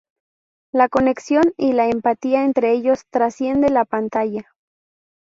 La conexión y la empatía entre ellos trasciende la pantalla.